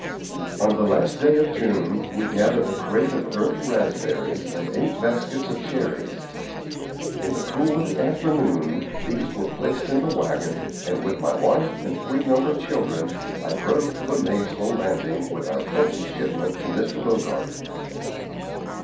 On the last day of June we gathered a crate of early raspberries and eight baskets of cherries. In the cool of the afternoon, these were placed in the wagon, and with my wife and the three younger children, I drove to the Maizeville Landing with our first shipment to Mr. Bogart.